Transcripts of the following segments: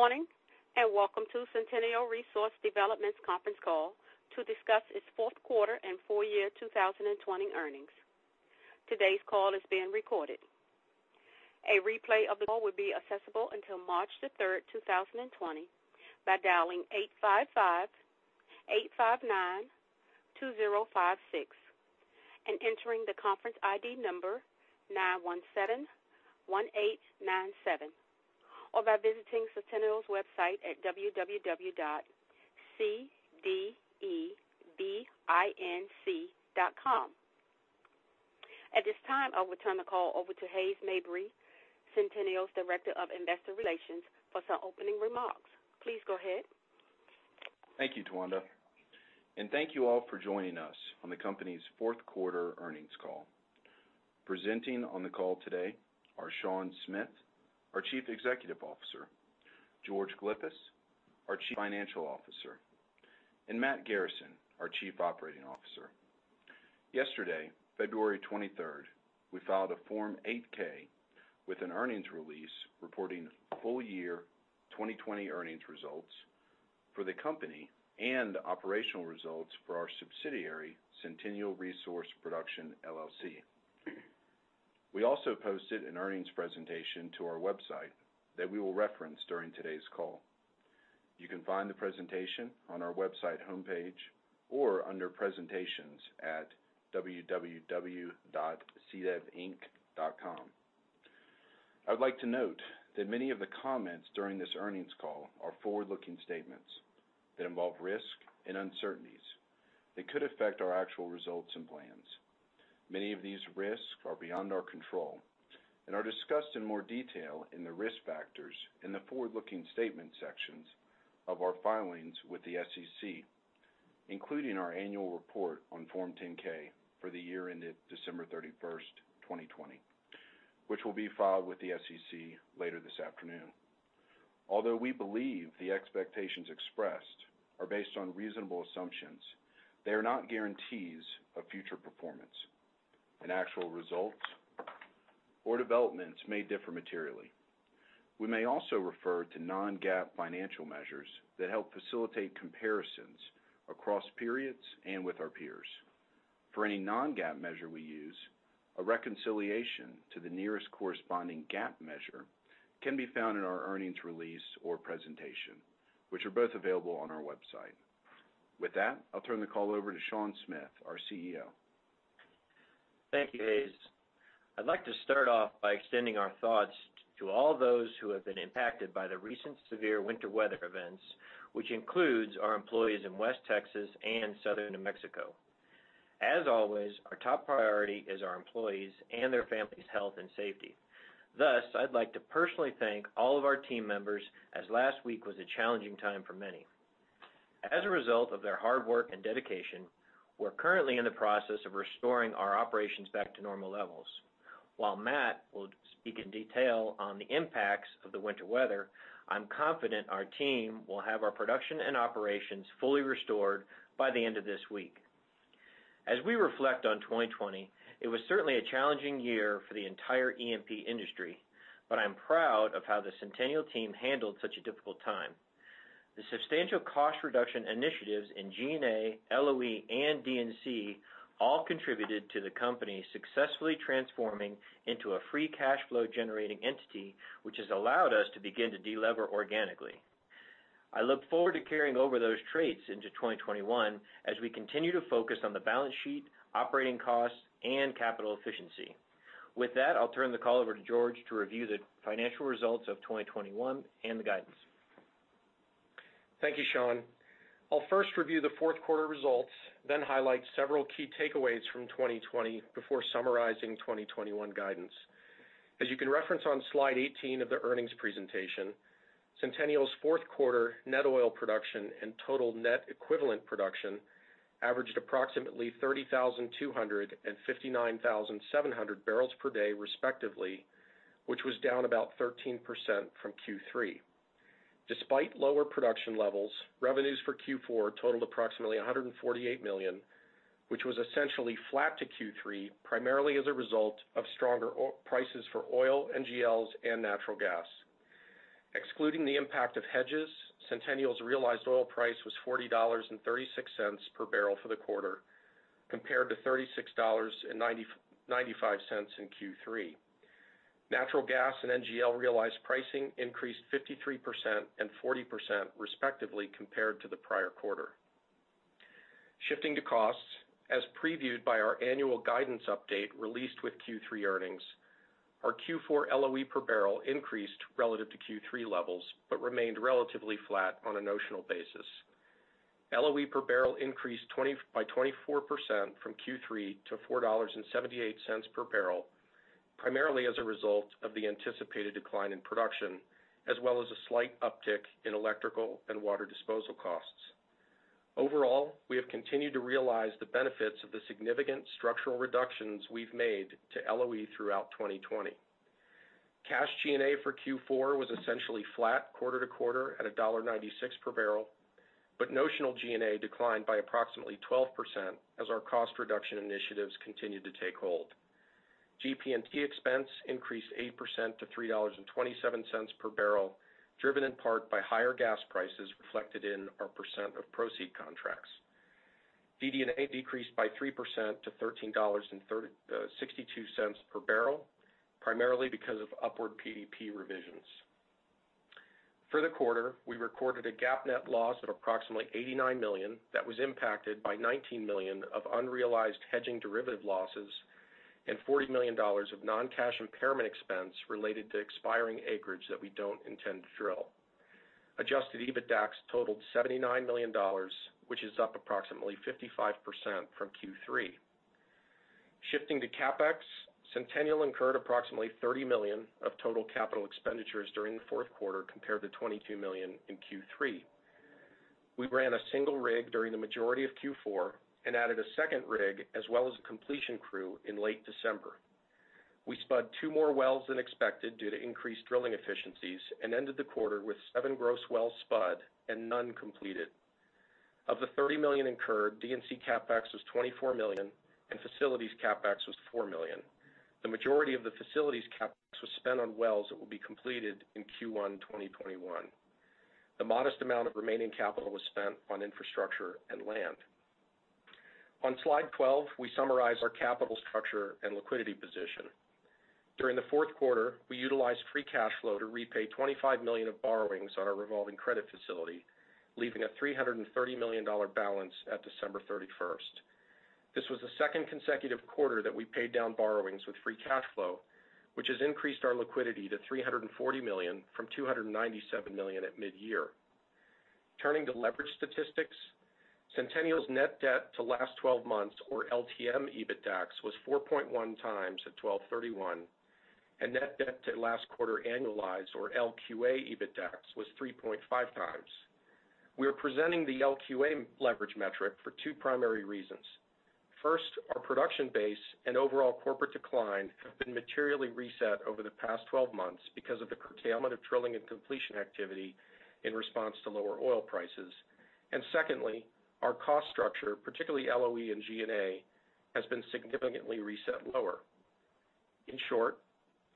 Good morning, welcome to Centennial Resource Development's conference call to discuss its fourth quarter and full year 2020 earnings. Today's call is being recorded. A replay of the call will be accessible until March the 3rd, 2020, by dialing 855-859-2056 and entering the conference ID number 9171897, or by visiting Centennial's website at www.cdevinc.com. At this time, I'll turn the call over to Hays Mabry, Centennial's Director of Investor Relations, for some opening remarks. Please go ahead. Thank you, Tawanda, and thank you all for joining us on the company's fourth quarter earnings call. Presenting on the call today are Sean Smith, our Chief Executive Officer, George Glyphis, our Chief Financial Officer, and Matt Garrison, our Chief Operating Officer. Yesterday, February 23rd, we filed a Form 8-K with an earnings release reporting full year 2020 earnings results for the company and operational results for our subsidiary, Centennial Resource Production, LLC. We also posted an earnings presentation to our website that we will reference during today's call. You can find the presentation on our website homepage or under presentations at www.cdevinc.com. I would like to note that many of the comments during this earnings call are forward-looking statements that involve risk and uncertainties that could affect our actual results and plans. Many of these risks are beyond our control and are discussed in more detail in the risk factors in the forward-looking statement sections of our filings with the SEC, including our annual report on Form 10-K for the year ended December 31st, 2020, which will be filed with the SEC later this afternoon. Although we believe the expectations expressed are based on reasonable assumptions, they are not guarantees of future performance and actual results or developments may differ materially. We may also refer to non-GAAP financial measures that help facilitate comparisons across periods and with our peers. For any non-GAAP measure we use, a reconciliation to the nearest corresponding GAAP measure can be found in our earnings release or presentation, which are both available on our website. With that, I'll turn the call over to Sean Smith, our CEO. Thank you, Hays. I'd like to start off by extending our thoughts to all those who have been impacted by the recent severe winter weather events, which includes our employees in West Texas and Southern New Mexico. As always, our top priority is our employees' and their families' health and safety. Thus, I'd like to personally thank all of our team members as last week was a challenging time for many. As a result of their hard work and dedication, we're currently in the process of restoring our operations back to normal levels. While Matt will speak in detail on the impacts of the winter weather, I'm confident our team will have our production and operations fully restored by the end of this week. As we reflect on 2020, it was certainly a challenging year for the entire E&P industry, but I'm proud of how the Centennial team handled such a difficult time. The substantial cost reduction initiatives in G&A, LOE, and D&C all contributed to the company successfully transforming into a free cash flow-generating entity, which has allowed us to begin to de-lever organically. I look forward to carrying over those traits into 2021 as we continue to focus on the balance sheet, operating costs, and capital efficiency. With that, I'll turn the call over to George to review the financial results of 2021 and the guidance. Thank you, Sean. I'll first review the fourth quarter results, then highlight several key takeaways from 2020 before summarizing 2021 guidance. As you can reference on slide 18 of the earnings presentation, Centennial's fourth quarter net oil production and total net equivalent production averaged approximately 30,200 and 59,700 bbl per day respectively, which was down about 13% from Q3. Despite lower production levels, revenues for Q4 totaled approximately $148 million, which was essentially flat to Q3, primarily as a result of stronger prices for oil, NGLs, and natural gas. Excluding the impact of hedges, Centennial's realized oil price was $40.36 per barrel for the quarter, compared to $36.95 in Q3. Natural gas and NGL realized pricing increased 53% and 40% respectively compared to the prior quarter. Shifting to costs, as previewed by our annual guidance update released with Q3 earnings, our Q4 LOE per barrel increased relative to Q3 levels, but remained relatively flat on a notional basis. LOE per barrel increased by 24% from Q3 to $4.78 per barrel, primarily as a result of the anticipated decline in production as well as a slight uptick in electrical and water disposal costs. Overall, we have continued to realize the benefits of the significant structural reductions we've made to LOE throughout 2020. Cash G&A for Q4 was essentially flat quarter-to-quarter at $1.96 per barrel, but notional G&A declined by approximately 12% as our cost reduction initiatives continued to take hold. GP&T expense increased 8% to $3.27 per barrel, driven in part by higher gas prices reflected in our percent of proceed contracts. DD&A decreased by 3% to $13.62 per barrel, primarily because of upward PDP revisions. For the quarter, we recorded a GAAP net loss of approximately $89 million that was impacted by $19 million of unrealized hedging derivative losses and $40 million of non-cash impairment expense related to expiring acreage that we don't intend to drill. Adjusted EBITDAX totaled $79 million, which is up approximately 55% from Q3. Shifting to CapEx, Centennial incurred approximately $30 million of total capital expenditures during the fourth quarter, compared to $22 million in Q3. We ran a single rig during the majority of Q4 and added a second rig as well as a completion crew in late December. We spud two more wells than expected due to increased drilling efficiencies and ended the quarter with seven gross wells spud and none completed. Of the $30 million incurred, D&C CapEx was $24 million and facilities CapEx was $4 million. The majority of the facilities CapEx was spent on wells that will be completed in Q1 2021. The modest amount of remaining capital was spent on infrastructure and land. On slide 12, we summarize our capital structure and liquidity position. During the fourth quarter, we utilized free cash flow to repay $25 million of borrowings on our revolving credit facility, leaving a $330 million balance at December 31st. This was the second consecutive quarter that we paid down borrowings with free cash flow, which has increased our liquidity to $340 million from $297 million at midyear. Turning to leverage statistics, Centennial's net debt to last 12 months, or LTM EBITDAX, was 4.1x at 12/31, and net debt to last quarter annualized or LQA EBITDAX was 3.5x. We are presenting the LQA leverage metric for two primary reasons. First, our production base and overall corporate decline have been materially reset over the past 12 months because of the curtailment of drilling and completion activity in response to lower oil prices. Secondly, our cost structure, particularly LOE and G&A, has been significantly reset lower. In short,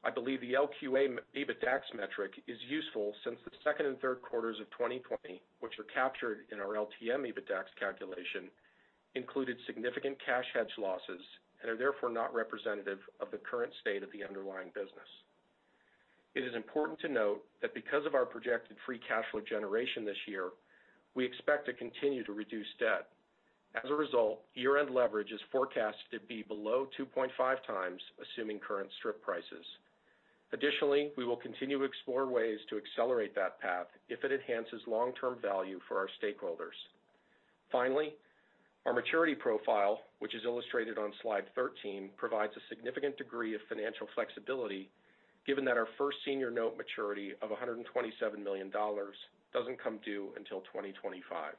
I believe the LQA EBITDAX metric is useful since the second and third quarters of 2020, which are captured in our LTM EBITDAX calculation, included significant cash hedge losses and are therefore not representative of the current state of the underlying business. It is important to note that because of our projected free cash flow generation this year, we expect to continue to reduce debt. As a result, year-end leverage is forecasted to be below 2.5x, assuming current strip prices. Additionally, we will continue to explore ways to accelerate that path if it enhances long-term value for our stakeholders. Finally, our maturity profile, which is illustrated on slide 13, provides a significant degree of financial flexibility given that our first senior note maturity of $127 million doesn't come due until 2025.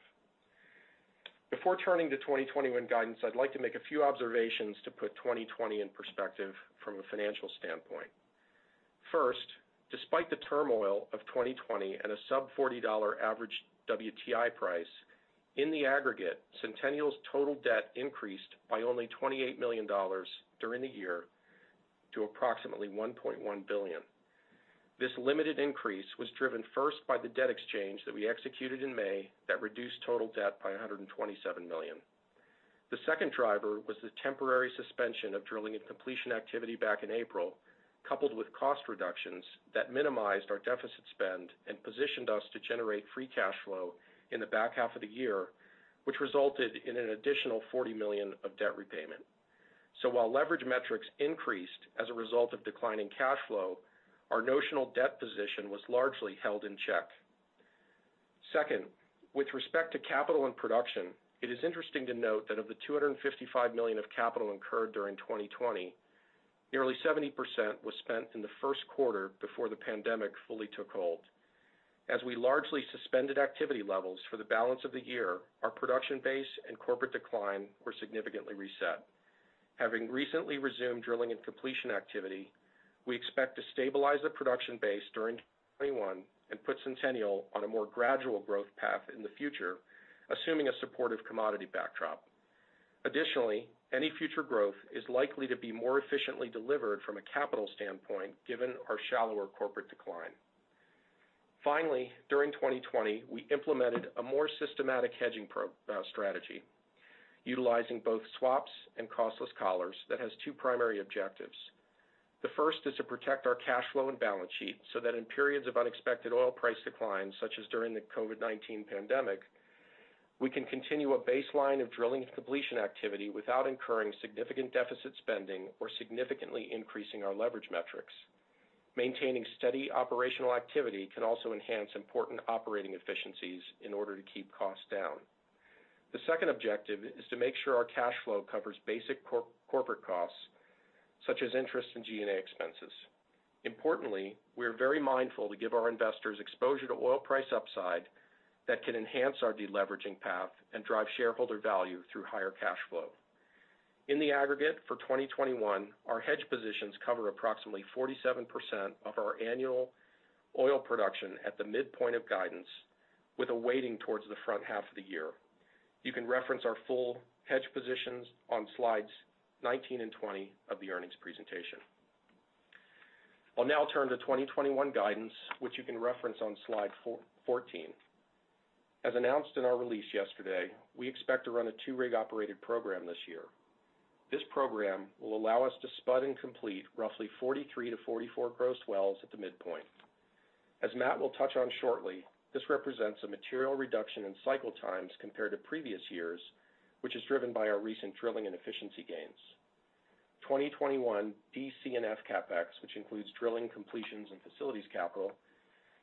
Before turning to 2021 guidance, I'd like to make a few observations to put 2020 in perspective from a financial standpoint. First, despite the turmoil of 2020 and a sub-$40 average WTI price, in the aggregate, Centennial's total debt increased by only $28 million during the year to approximately $1.1 billion. This limited increase was driven first by the debt exchange that we executed in May that reduced total debt by $127 million. The second driver was the temporary suspension of drilling and completion activity back in April, coupled with cost reductions that minimized our deficit spend and positioned us to generate free cash flow in the back half of the year, which resulted in an additional $40 million of debt repayment. While leverage metrics increased as a result of declining cash flow, our notional debt position was largely held in check. Second, with respect to capital and production, it is interesting to note that of the $255 million of capital incurred during 2020, nearly 70% was spent in the first quarter before the pandemic fully took hold. As we largely suspended activity levels for the balance of the year, our production base and corporate decline were significantly reset. Having recently resumed drilling and completion activity, we expect to stabilize the production base during 2021 and put Centennial on a more gradual growth path in the future, assuming a supportive commodity backdrop. Additionally, any future growth is likely to be more efficiently delivered from a capital standpoint, given our shallower corporate decline. Finally, during 2020, we implemented a more systematic hedging strategy utilizing both swaps and costless collars that has two primary objectives. The first is to protect our cash flow and balance sheet so that in periods of unexpected oil price declines, such as during the COVID-19 pandemic, we can continue a baseline of drilling and completion activity without incurring significant deficit spending or significantly increasing our leverage metrics. Maintaining steady operational activity can also enhance important operating efficiencies in order to keep costs down. The second objective is to make sure our cash flow covers basic corporate costs, such as interest and G&A expenses. Importantly, we are very mindful to give our investors exposure to oil price upside that can enhance our deleveraging path and drive shareholder value through higher cash flow. In the aggregate for 2021, our hedge positions cover approximately 47% of our annual oil production at the midpoint of guidance with a weighting towards the front half of the year. You can reference our full hedge positions on slides 19 and 20 of the earnings presentation. I'll now turn to 2021 guidance, which you can reference on slide 14. As announced in our release yesterday, we expect to run a two-rig operated program this year. This program will allow us to spud and complete roughly 43-44 gross wells at the midpoint. As Matt will touch on shortly, this represents a material reduction in cycle times compared to previous years, which is driven by our recent drilling and efficiency gains. 2021 DC&F CapEx, which includes drilling completions and facilities capital,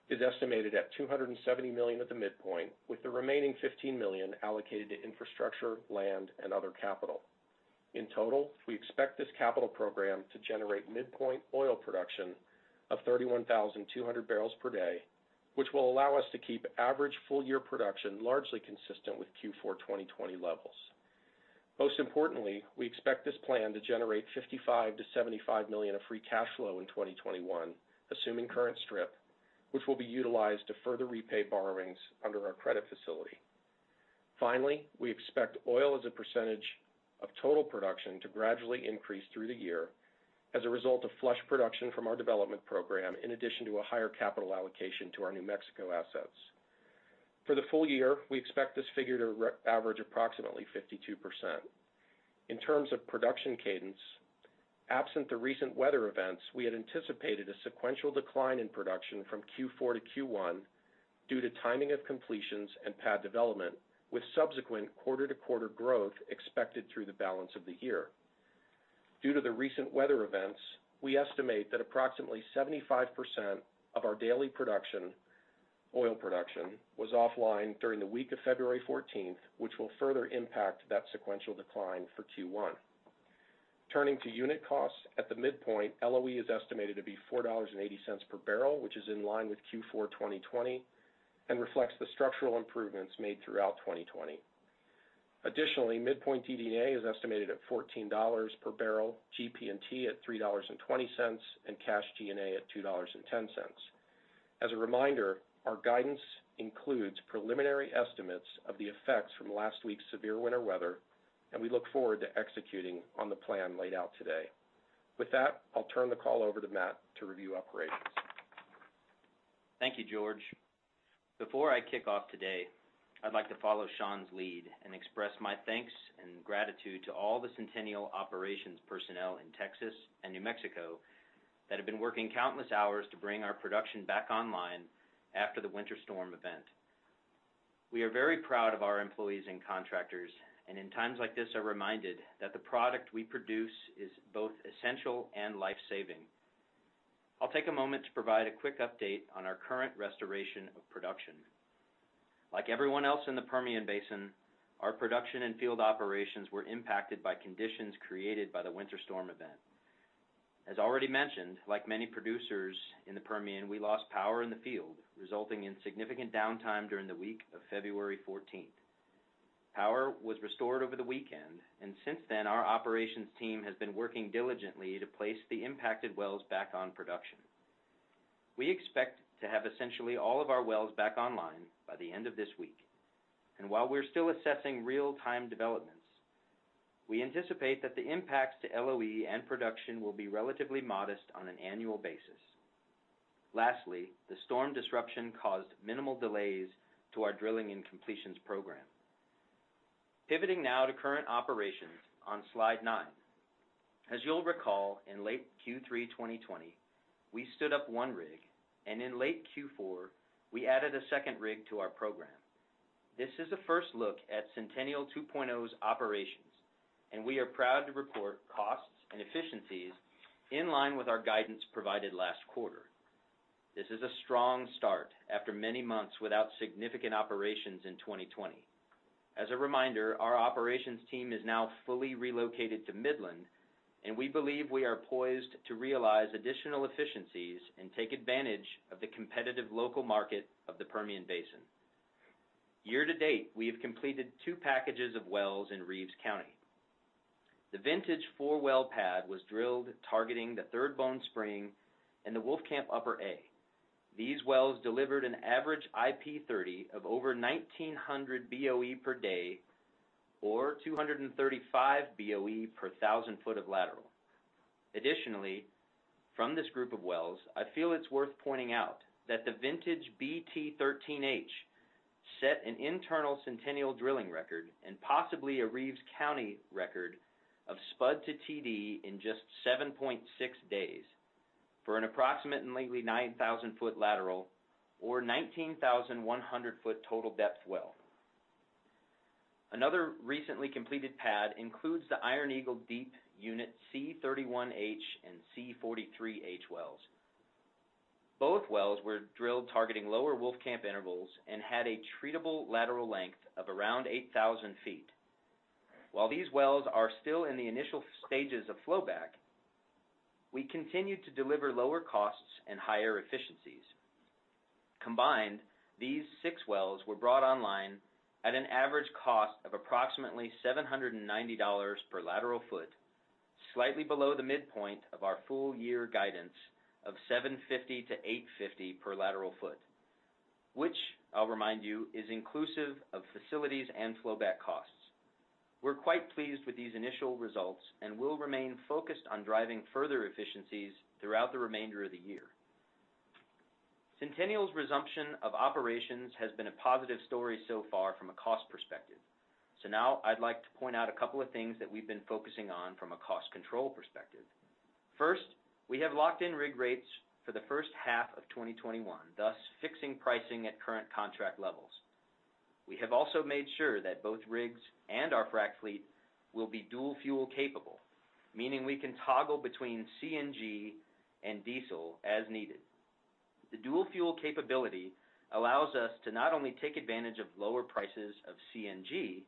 is estimated at $270 million at the midpoint, with the remaining $15 million allocated to infrastructure, land, and other capital. In total, we expect this capital program to generate midpoint oil production of 31,200 bbl per day, which will allow us to keep average full-year production largely consistent with Q4 2020 levels. Most importantly, we expect this plan to generate $55 million-$75 million of free cash flow in 2021, assuming current strip, which will be utilized to further repay borrowings under our credit facility. We expect oil as a percentage of total production to gradually increase through the year as a result of flush production from our development program, in addition to a higher capital allocation to our New Mexico assets. For the full year, we expect this figure to average approximately 52%. In terms of production cadence, absent the recent weather events, we had anticipated a sequential decline in production from Q4 to Q1 due to timing of completions and pad development, with subsequent quarter-to-quarter growth expected through the balance of the year. Due to the recent weather events, we estimate that approximately 75% of our daily production, oil production, was offline during the week of February 14th, which will further impact that sequential decline for Q1. Turning to unit costs, at the midpoint, LOE is estimated to be $4.80 per barrel, which is in line with Q4 2020 and reflects the structural improvements made throughout 2020. Additionally, midpoint DD&A is estimated at $14 per barrel, GP&T at $3.20, and cash G&A at $2.10. As a reminder, our guidance includes preliminary estimates of the effects from last week's severe winter weather, and we look forward to executing on the plan laid out today. With that, I'll turn the call over to Matt to review operations. Thank you, George. Before I kick off today, I'd like to follow Sean's lead and express my thanks and gratitude to all the Centennial operations personnel in Texas and New Mexico that have been working countless hours to bring our production back online after the winter storm event. We are very proud of our employees and contractors, and in times like this are reminded that the product we produce is both essential and life-saving. I'll take a moment to provide a quick update on our current restoration of production. Like everyone else in the Permian Basin, our production and field operations were impacted by conditions created by the winter storm event. As already mentioned, like many producers in the Permian, we lost power in the field, resulting in significant downtime during the week of February 14th. Power was restored over the weekend. Since then, our operations team has been working diligently to place the impacted wells back on production. We expect to have essentially all of our wells back online by the end of this week. While we're still assessing real-time developments, we anticipate that the impacts to LOE and production will be relatively modest on an annual basis. Lastly, the storm disruption caused minimal delays to our drilling and completions program. Pivoting now to current operations on slide nine. As you'll recall, in late Q3 2020, we stood up one rig. In late Q4, we added a second rig to our program. This is a first look at Centennial 2.0's operations. We are proud to report costs and efficiencies in line with our guidance provided last quarter. This is a strong start after many months without significant operations in 2020. As a reminder, our operations team is now fully relocated to Midland, and we believe we are poised to realize additional efficiencies and take advantage of the competitive local market of the Permian Basin. Year-to-date, we have completed two packages of wells in Reeves County. The vintage four-well pad was drilled targeting the Third Bone Spring and the Wolfcamp Upper A. These wells delivered an average IP 30 of over 1,900 BOE per day or 235 BOE per 1,000 ft of lateral. Additionally, from this group of wells, I feel it's worth pointing out that the vintage BT-13H set an internal Centennial drilling record and possibly a Reeves County record of spud to TD in just 7.6 days for an approximately 9,000-ft lateral or 19,100-ft total depth well. Another recently completed pad includes the Iron Eagle Deep Unit C31H and C43H wells. Both wells were drilled targeting lower Wolfcamp intervals and had a treatable lateral length of around 8,000 ft. While these wells are still in the initial stages of flow back, we continue to deliver lower costs and higher efficiencies. Combined, these six wells were brought online at an average cost of approximately $790 per lateral foot. Slightly below the midpoint of our full year guidance of $750-$850 per lateral foot, which I'll remind you, is inclusive of facilities and flowback costs. We're quite pleased with these initial results and will remain focused on driving further efficiencies throughout the remainder of the year. Centennial's resumption of operations has been a positive story so far from a cost perspective. Now I'd like to point out a couple of things that we've been focusing on from a cost control perspective. First, we have locked in rig rates for the first half of 2021, thus fixing pricing at current contract levels. We have also made sure that both rigs and our frack fleet will be dual fuel capable, meaning we can toggle between CNG and diesel as needed. The dual fuel capability allows us to not only take advantage of lower prices of CNG,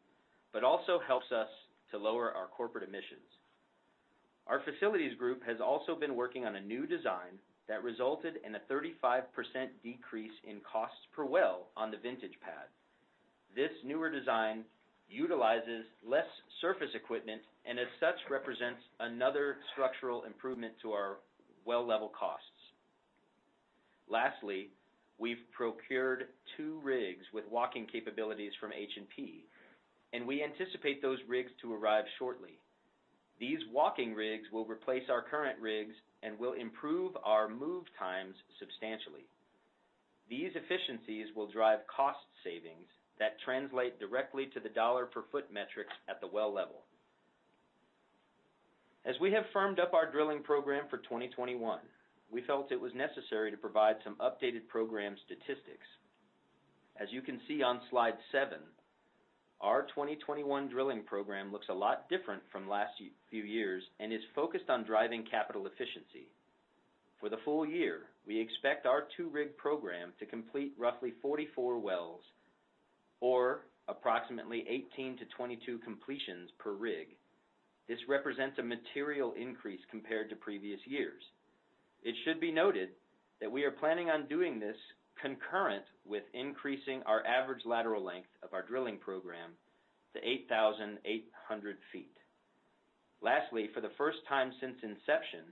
but also helps us to lower our corporate emissions. Our facilities group has also been working on a new design that resulted in a 35% decrease in costs per well on the vintage pad. This newer design utilizes less surface equipment and as such, represents another structural improvement to our well level costs. Lastly, we've procured two rigs with walking capabilities from H&P, and we anticipate those rigs to arrive shortly. These walking rigs will replace our current rigs and will improve our move times substantially. These efficiencies will drive cost savings that translate directly to the dollar per foot metrics at the well level. As we have firmed up our drilling program for 2021, we felt it was necessary to provide some updated program statistics. As you can see on slide seven, our 2021 drilling program looks a lot different from last few years and is focused on driving capital efficiency. For the full year, we expect our two-rig program to complete roughly 44 wells or approximately 18-22 completions per rig. This represents a material increase compared to previous years. It should be noted that we are planning on doing this concurrent with increasing our average lateral length of our drilling program to 8,800 ft. Lastly, for the first time since inception,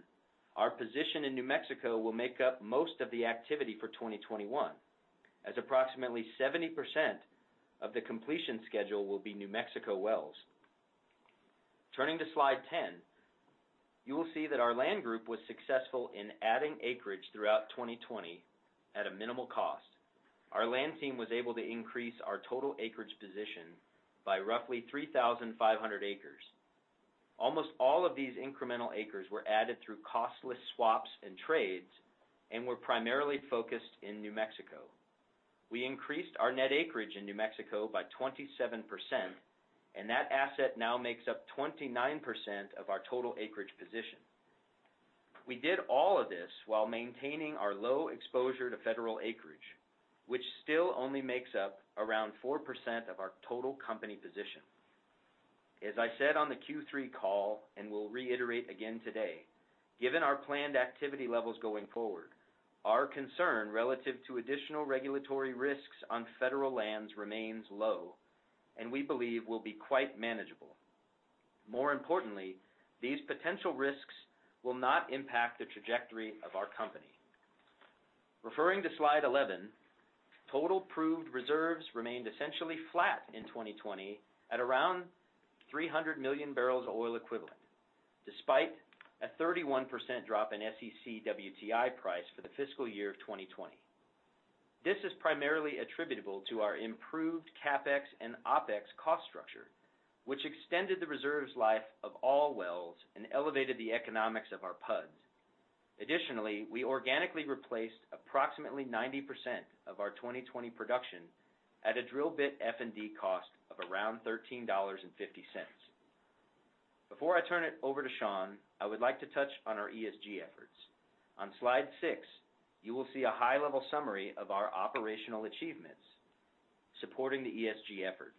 our position in New Mexico will make up most of the activity for 2021, as approximately 70% of the completion schedule will be New Mexico wells. Turning to slide 10, you will see that our land group was successful in adding acreage throughout 2020 at a minimal cost. Our land team was able to increase our total acreage position by roughly 3,500 acres. Almost all of these incremental acres were added through costless swaps and trades and were primarily focused in New Mexico. We increased our net acreage in New Mexico by 27%, and that asset now makes up 29% of our total acreage position. We did all of this while maintaining our low exposure to federal acreage, which still only makes up around 4% of our total company position. As I said on the Q3 call, and will reiterate again today, given our planned activity levels going forward, our concern relative to additional regulatory risks on federal lands remains low and we believe will be quite manageable. More importantly, these potential risks will not impact the trajectory of our company. Referring to slide 11, total proved reserves remained essentially flat in 2020 at around 300 million barrels of oil equivalent, despite a 31% drop in SEC WTI price for the fiscal year of 2020. This is primarily attributable to our improved CapEx and OpEx cost structure, which extended the reserves life of all wells and elevated the economics of our PUDs. Additionally, we organically replaced approximately 90% of our 2020 production at a drill bit F&D cost of around $13.50. Before I turn it over to Sean, I would like to touch on our ESG efforts. On slide six, you will see a high-level summary of our operational achievements supporting the ESG effort.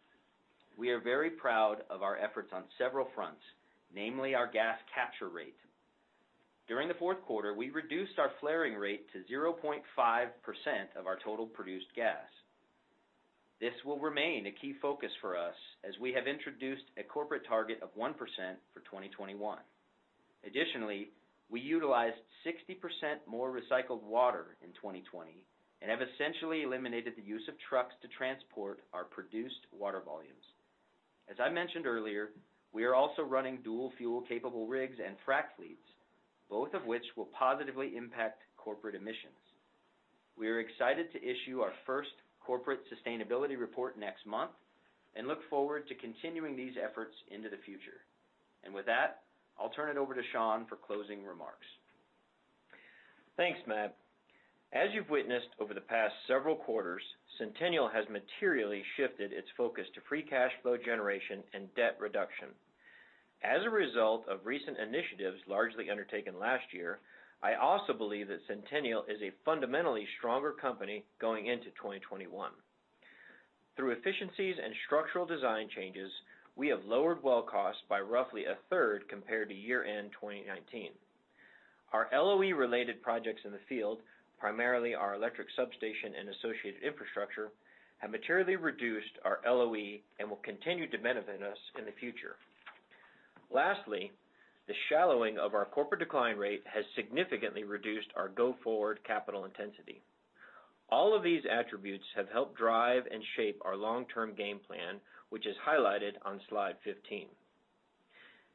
We are very proud of our efforts on several fronts, namely our gas capture rate. During the fourth quarter, we reduced our flaring rate to 0.5% of our total produced gas. This will remain a key focus for us as we have introduced a corporate target of 1% for 2021. Additionally, we utilized 60% more recycled water in 2020 and have essentially eliminated the use of trucks to transport our produced water volumes. As I mentioned earlier, we are also running dual fuel capable rigs and frack fleets, both of which will positively impact corporate emissions. We are excited to issue our first corporate sustainability report next month and look forward to continuing these efforts into the future. With that, I'll turn it over to Sean for closing remarks. Thanks, Matt. As you've witnessed over the past several quarters, Centennial has materially shifted its focus to free cash flow generation and debt reduction. As a result of recent initiatives largely undertaken last year, I also believe that Centennial is a fundamentally stronger company going into 2021. Through efficiencies and structural design changes, we have lowered well costs by roughly 1/3 compared to year-end 2019. Our LOE-related projects in the field, primarily our electric substation and associated infrastructure, have materially reduced our LOE and will continue to benefit us in the future. Lastly, the shallowing of our corporate decline rate has significantly reduced our go-forward capital intensity. All of these attributes have helped drive and shape our long-term game plan, which is highlighted on slide 15.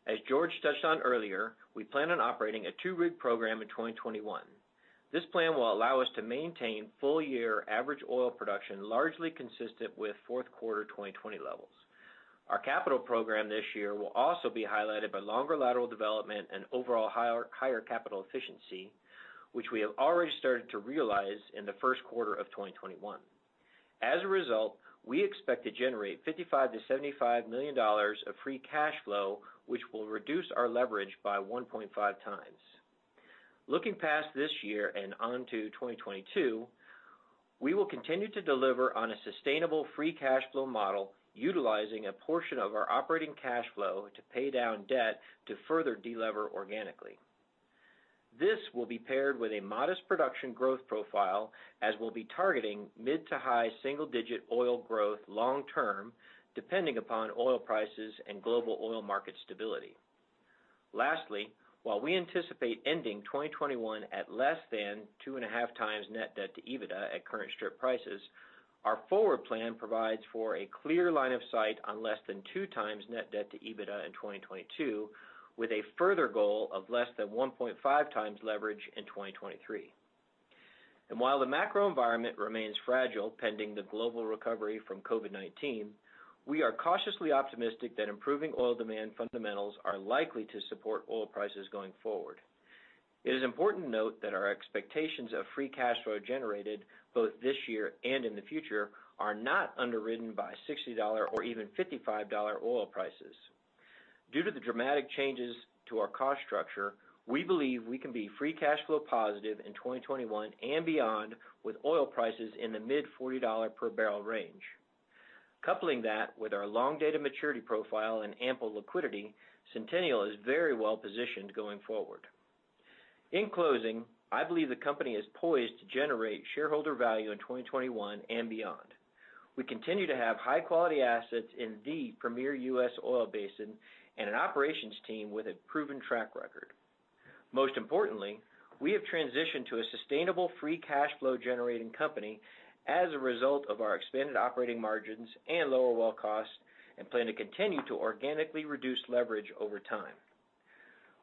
As George touched on earlier, we plan on operating a two-rig program in 2021. This plan will allow us to maintain full-year average oil production largely consistent with fourth quarter 2020 levels. Our capital program this year will also be highlighted by longer lateral development and overall higher capital efficiency, which we have already started to realize in the first quarter of 2021. As a result, we expect to generate $55 million-$75 million of free cash flow, which will reduce our leverage by 1.5x. Looking past this year and onto 2022, we will continue to deliver on a sustainable free cash flow model utilizing a portion of our operating cash flow to pay down debt to further de-lever organically. This will be paired with a modest production growth profile, as we will be targeting mid to high single-digit oil growth long term, depending upon oil prices and global oil market stability. Lastly, while we anticipate ending 2021 at less than 2.5x net debt to EBITDA at current strip prices, our forward plan provides for a clear line of sight on less than 2x net debt-to-EBITDA in 2022, with a further goal of less than 1.5x leverage in 2023. While the macro environment remains fragile pending the global recovery from COVID-19, we are cautiously optimistic that improving oil demand fundamentals are likely to support oil prices going forward. It is important to note that our expectations of free cash flow generated, both this year and in the future, are not underwritten by $60 or even $55 oil prices. Due to the dramatic changes to our cost structure, we believe we can be free cash flow positive in 2021 and beyond, with oil prices in the mid-$40 per barrel range. Coupling that with our long data maturity profile and ample liquidity, Centennial is very well-positioned going forward. In closing, I believe the company is poised to generate shareholder value in 2021 and beyond. We continue to have high-quality assets in the premier U.S. oil basin, and an operations team with a proven track record. Most importantly, we have transitioned to a sustainable free cash flow-generating company as a result of our expanded operating margins and lower well costs, and plan to continue to organically reduce leverage over time.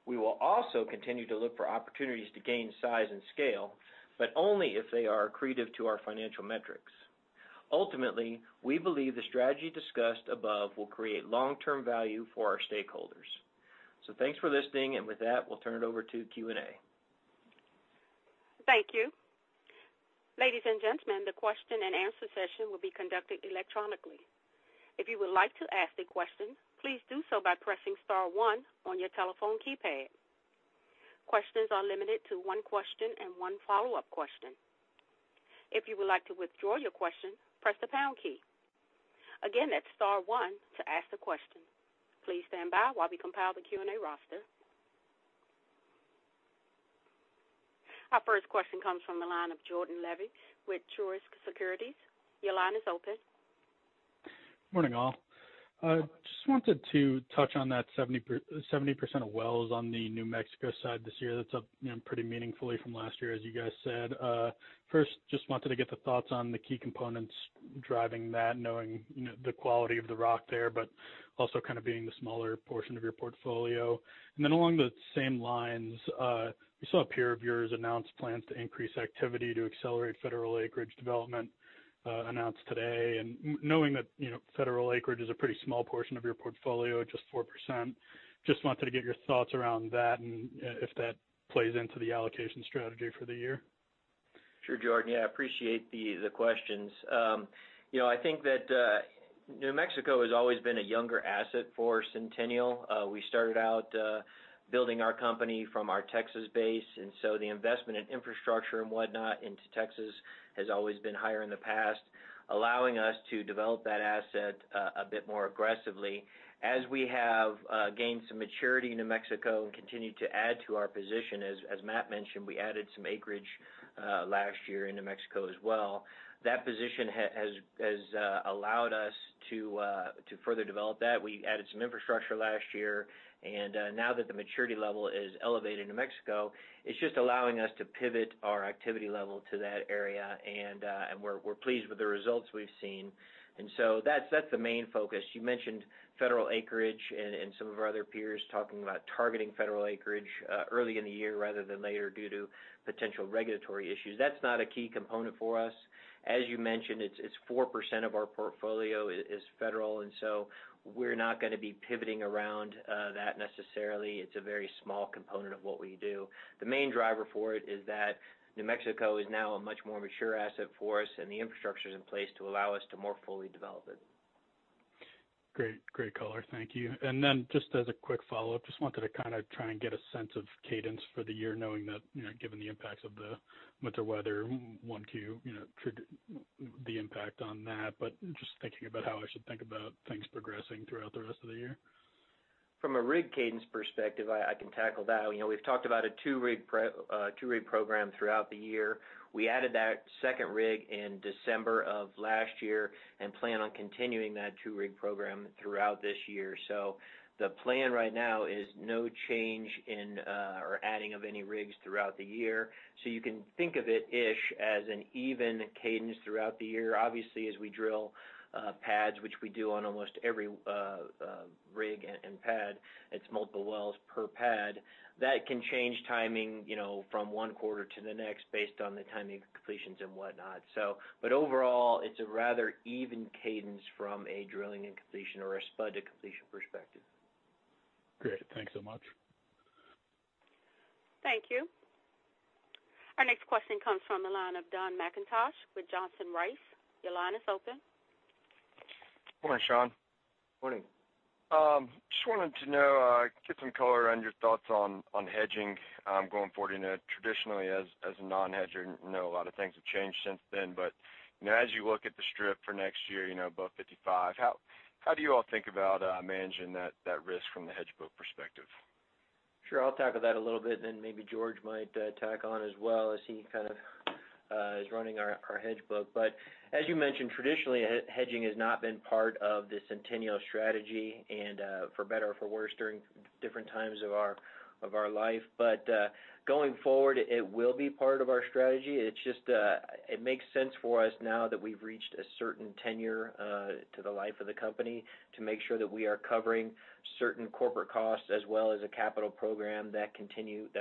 We will also continue to look for opportunities to gain size and scale, but only if they are accretive to our financial metrics. Ultimately, we believe the strategy discussed above will create long-term value for our stakeholders. Thanks for listening, and with that, we'll turn it over to Q&A. Thank you. Ladies and gentlemen, the question and answer session will be conducted electronically. If you would like to ask a question, please do so by pressing star one on your telephone keypad. Questions are limited to one question and one follow-up question. If you would like to withdraw your question, press the pound key. Again, that's star one to ask the question. Please stand by while we compile the Q&A roster. Our first question comes from the line of Jordan Levy with Truist Securities. Your line is open. Morning, all. Just wanted to touch on that 70% of wells on the New Mexico side this year. That's up pretty meaningfully from last year, as you guys said. Just wanted to get the thoughts on the key components driving that, knowing the quality of the rock there, but also kind of being the smaller portion of your portfolio. Along the same lines, we saw a peer of yours announce plans to increase activity to accelerate federal acreage development announced today. Knowing that federal acreage is a pretty small portion of your portfolio at just 4%, just wanted to get your thoughts around that and if that plays into the allocation strategy for the year. Sure, Jordan. Yeah, appreciate the questions. I think that New Mexico has always been a younger asset for Centennial. We started out building our company from our Texas base, and so the investment in infrastructure and whatnot into Texas has always been higher in the past, allowing us to develop that asset a bit more aggressively. As we have gained some maturity in New Mexico and continued to add to our position, as Matt mentioned, we added some acreage last year in New Mexico as well. That position has allowed us to further develop that. We added some infrastructure last year, and now that the maturity level is elevated in New Mexico, it's just allowing us to pivot our activity level to that area. We're pleased with the results we've seen. That's the main focus. You mentioned federal acreage and some of our other peers talking about targeting federal acreage early in the year rather than later due to potential regulatory issues. That's not a key component for us. As you mentioned, 4% of our portfolio is federal, and so we're not going to be pivoting around that necessarily. It's a very small component of what we do. The main driver for it is that New Mexico is now a much more mature asset for us, and the infrastructure is in place to allow us to more fully develop it. Great. Great color. Thank you. Just as a quick follow-up, just wanted to kind of try and get a sense of cadence for the year, knowing that given the impacts of the winter weather, 1Q could the impact on that, just thinking about how I should think about things progressing throughout the rest of the year. From a rig cadence perspective, I can tackle that. We've talked about a two-rig program throughout the year. We added that second rig in December of last year and plan on continuing that two-rig program throughout this year. The plan right now is no change in or adding of any rigs throughout the year. You can think of it-ish as an even cadence throughout the year. Obviously, as we drill pads, which we do on almost every rig and pad, it's multiple wells per pad. That can change timing from one quarter to the next based on the timing of completions and whatnot. Overall, it's a rather even cadence from a drilling and completion or a spud to completion perspective. Great. Thanks so much. Thank you. Our next question comes from the line of Dun McIntosh with Johnson Rice. Your line is open. Good morning, Sean. Morning. Just wanted to know, get some color on your thoughts on hedging going forward. I know traditionally as a non-hedger, I know a lot of things have changed since then. As you look at the strip for next year above 55, how do you all think about managing that risk from the hedge book perspective? Sure. I'll tackle that a little bit, then maybe George might tack on as well, as he kind of is running our hedge book. As you mentioned, traditionally, hedging has not been part of the Centennial strategy and for better or for worse during different times of our life. Going forward, it will be part of our strategy. It makes sense for us now that we've reached a certain tenure to the life of the company to make sure that we are covering certain corporate costs as well as a capital program that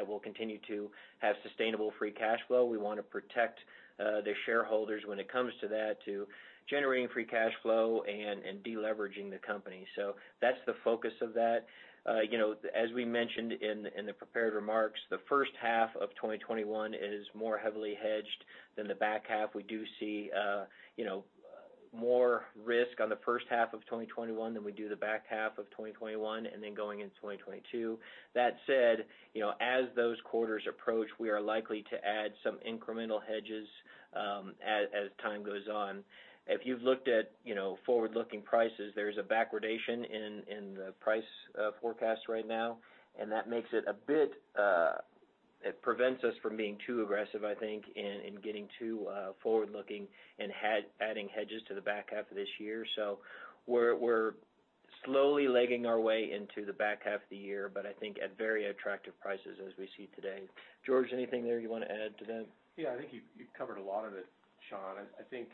will continue to have sustainable free cash flow. We want to protect the shareholders when it comes to that, to generating free cash flow and de-leveraging the company. That's the focus of that. As we mentioned in the prepared remarks, the first half of 2021 is more heavily hedged than the back half. We do see more risk on the first half of 2021 than we do the back half of 2021 and then going into 2022. That said, as those quarters approach, we are likely to add some incremental hedges as time goes on. If you've looked at forward-looking prices, there's a backwardation in the price forecast right now, it prevents us from being too aggressive, I think, in getting too forward-looking and adding hedges to the back half of this year. We're slowly legging our way into the back half of the year, but I think at very attractive prices as we see today. George, anything there you want to add to that? Yeah, I think you covered a lot of it, Sean. I think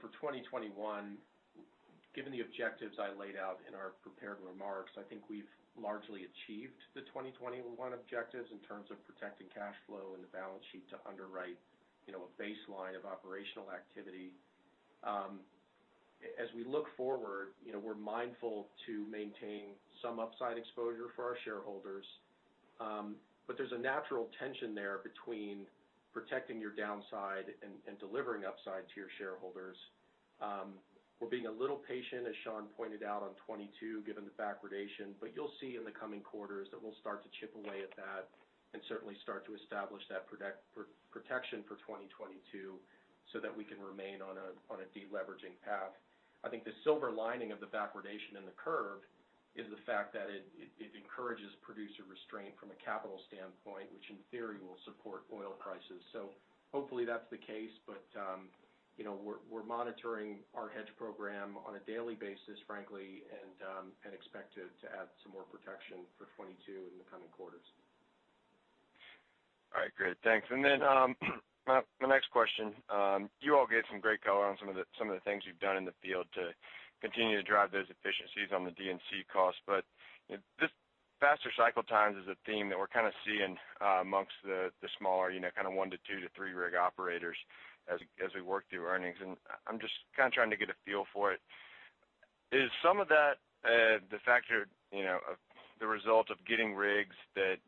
for 2021, given the objectives I laid out in our prepared remarks, I think we've largely achieved the 2021 objectives in terms of protecting cash flow and the balance sheet to underwrite a baseline of operational activity. As we look forward, we're mindful to maintain some upside exposure for our shareholders. There's a natural tension there between protecting your downside and delivering upside to your shareholders. We're being a little patient, as Sean pointed out, on 2022, given the backwardation. You'll see in the coming quarters that we'll start to chip away at that and certainly start to establish that protection for 2022 so that we can remain on a de-leveraging path. I think the silver lining of the backwardation in the curve is the fact that it encourages producer restraint from a capital standpoint, which in theory, will support oil prices. Hopefully, that's the case, but we're monitoring our hedge program on a daily basis, frankly, and expect to add some more protection for 2022 in the coming quarters. All right, great. Thanks. My next question. You all gave some great color on some of the things you've done in the field to continue to drive those efficiencies on the D&C costs. This faster cycle times is a theme that we're kind of seeing amongst the smaller kind of one to two to three-rig operators as we work through earnings. I'm just kind of trying to get a feel for it. Is some of that the factor of the result of getting rigs that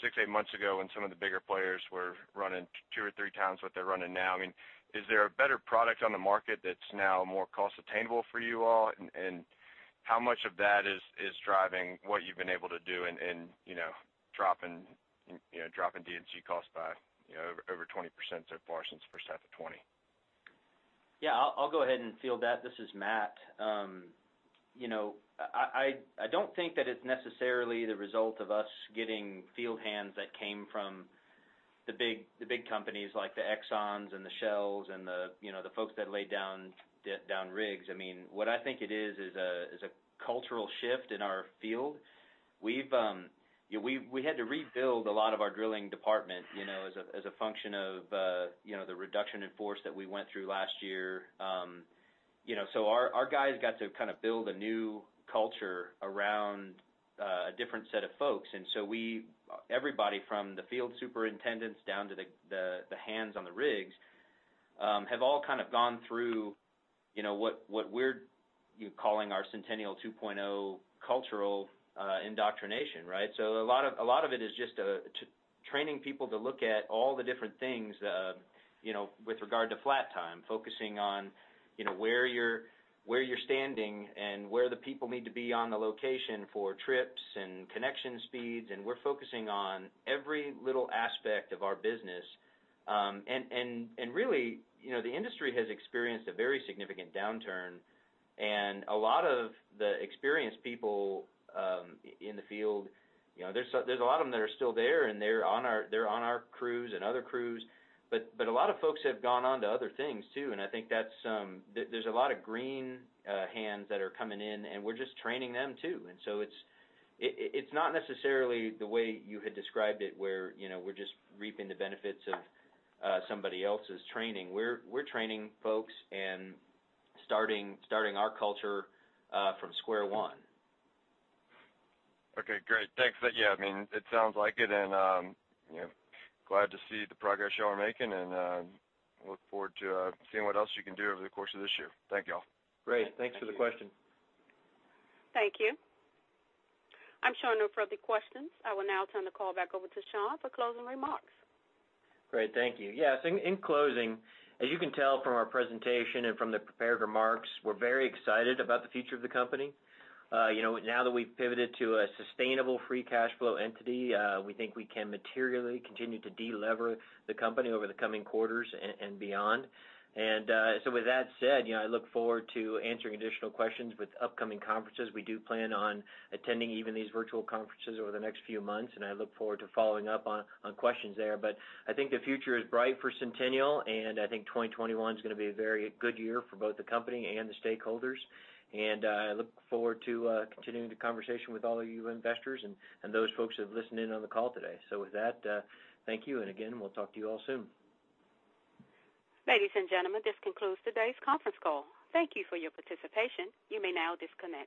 six, eight months ago when some of the bigger players were running two or three times what they're running now? Is there a better product on the market that's now more cost attainable for you all? How much of that is driving what you've been able to do in dropping D&C costs by over 20% so far since the first half of 2020? Yeah, I'll go ahead and field that. This is Matt. I don't think that it's necessarily the result of us getting field hands that came from the big companies like the Exxon and the Shell, and the folks that laid down rigs. I think it is a cultural shift in our field. We had to rebuild a lot of our drilling department as a function of the reduction in force that we went through last year. Our guys got to kind of build a new culture around a different set of folks. Everybody from the field superintendents down to the hands on the rigs have all kind of gone through what we're calling our Centennial 2.0 cultural indoctrination, right? A lot of it is just training people to look at all the different things with regard to flat time, focusing on where you're standing and where the people need to be on the location for trips and connection speeds. We're focusing on every little aspect of our business. Really, the industry has experienced a very significant downturn. A lot of the experienced people in the field, there's a lot of them that are still there, and they're on our crews and other crews. A lot of folks have gone on to other things, too, and I think there's a lot of green hands that are coming in, and we're just training them, too. It's not necessarily the way you had described it, where we're just reaping the benefits of somebody else's training. We're training folks and starting our culture from square one. Okay, great. Thanks. Yeah, it sounds like it, and glad to see the progress you all are making, and look forward to seeing what else you can do over the course of this year. Thank you all. Great. Thanks for the question. Thank you. I am showing no further questions. I will now turn the call back over to Sean for closing remarks. Great. Thank you. Yes, in closing, as you can tell from our presentation and from the prepared remarks, we're very excited about the future of the company. Now that we've pivoted to a sustainable free cash flow entity, we think we can materially continue to de-lever the company over the coming quarters and beyond. With that said, I look forward to answering additional questions with upcoming conferences. We do plan on attending even these virtual conferences over the next few months, I look forward to following up on questions there. I think the future is bright for Centennial, I think 2021 is going to be a very good year for both the company and the stakeholders. I look forward to continuing the conversation with all of you investors and those folks that have listened in on the call today. With that, thank you, and again, we'll talk to you all soon. Ladies and gentlemen, this concludes today's conference call. Thank you for your participation. You may now disconnect.